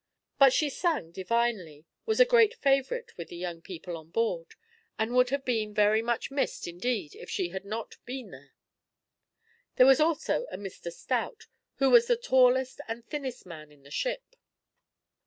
But she sang divinely, was a great favourite with the young people on board, and would have been very much missed indeed if she had not been there. There was also a Mr Stout, who was the tallest and thinnest man in the ship.